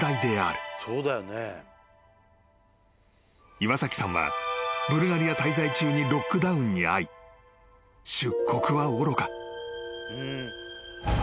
［岩崎さんはブルガリア滞在中にロックダウンに遭い出国はおろか］